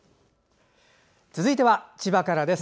続いては千葉からです。